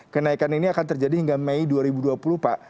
kenaikan ini akan terjadi hingga mei dua ribu dua puluh pak